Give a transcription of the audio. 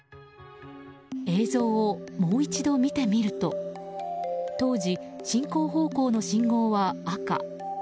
映像をもう一度見てみると当時、進行方向の信号は赤。